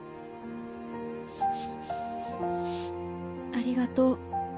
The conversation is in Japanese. ありがとう。